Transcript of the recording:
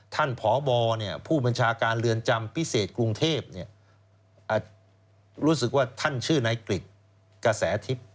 ท่านพบผู้บัญชาการเรือนจำพิเศษกรุงเทพรู้สึกว่าท่านชื่อนายกริจกระแสทิพย์